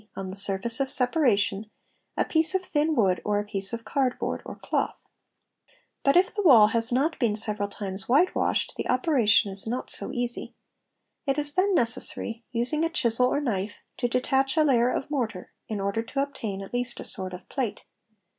on the surface of separation) a piece of thin wood, or a ) piece of card board or cloth. | But if the wall has not been several times whitewashed the operation is not so easy. It is then necessary, using a chisel or knife, to detach a layer of mortar, in order to obtain at least a sort of plate.